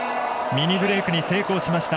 ミニブレークに成功しました。